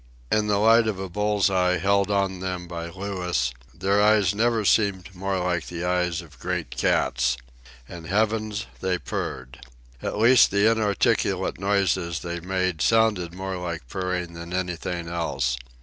In the light of a bull's eye, held on them by Louis, their eyes never seemed more like the eyes of great cats. And, heavens, they purred! At least, the inarticulate noises they made sounded more like purring than anything else.